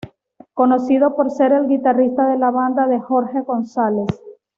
Conocido por ser el guitarrista de la banda de Jorge González.